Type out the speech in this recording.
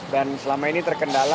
dan selama ini terkenal